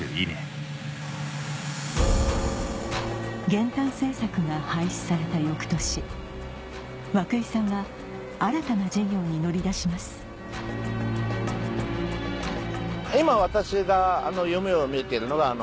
減反政策が廃止された翌年涌井さんは新たな事業に乗り出します今。